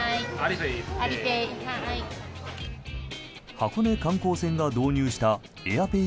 箱根観光船が導入したＡｉｒペイ